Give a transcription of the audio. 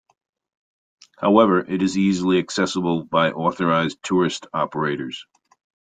However, it is easily accessible by authorised tourist operators.